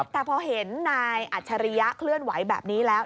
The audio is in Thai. แต่พอเห็นนายอัจฉริยะเคลื่อนไหวแบบนี้แล้ว